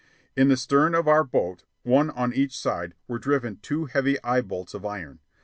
In the stern of our boat, one on each side, were driven two heavy eye bolts of iron.